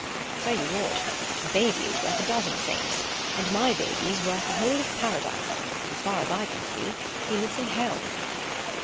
"So you ought. A baby is worth a dozen saints. And my baby's worth the whole of Paradise, and as far as I can see he lives in Hell."